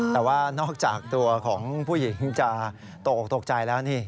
แต่ว่านอกจากตัวของผู้หญิงจะตกออกตกใจแล้วนี่